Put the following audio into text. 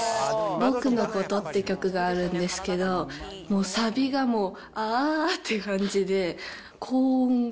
僕のことっていう曲があるんですけど、もうサビがもう、あーっていう感じで、高音が